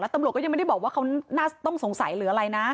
ตำรวจก็ยังไม่ได้บอกว่าเขาน่าต้องสงสัยหรืออะไรนะ